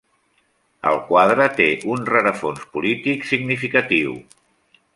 El quadre té un rerefons polític significatiu.